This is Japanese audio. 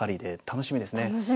楽しみですね。